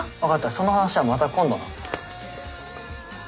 その話はまた今度な。